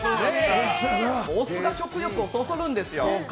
お酢が食欲をそそるんですよ。